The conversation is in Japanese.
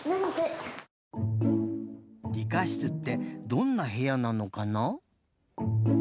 理科室ってどんなへやなのかな？